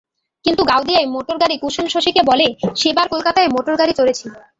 কিন্তু গাওদিয়ায় মোটরগাড়ি কুসুম শশীকে বলে, সেবার কলকাতায় মোটরগাড়ি চড়েছি।